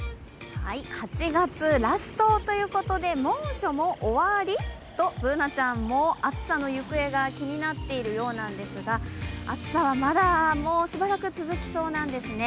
８月ラストということで猛暑も終わり？とＢｏｏｎａちゃんも暑さの行方が気になってるようなんですが暑さはまだ、もうしばらく続きそうなんですね。